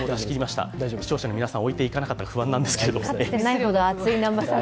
視聴者の皆さんを置いていかなかったか心配ですが。